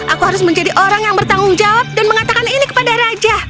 aku harus menjadi orang yang bertanggung jawab dan mengatakan ini kepada raja